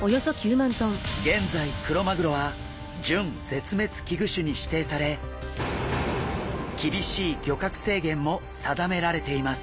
現在クロマグロは準絶滅危惧種に指定され厳しい漁獲制限も定められています。